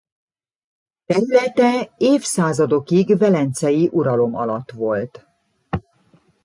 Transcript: Területe évszázadokig velencei uralom alatt volt.